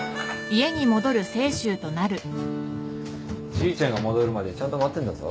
じいちゃんが戻るまでちゃんと待ってんだぞ。